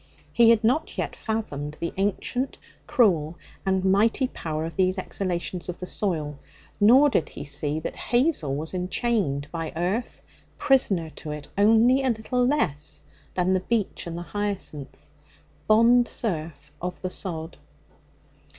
He had not yet fathomed the ancient, cruel and mighty power of these exhalations of the soil. Nor did he see that Hazel was enchained by earth, prisoner to it only a little less than the beech and the hyacinth bond serf of the sod.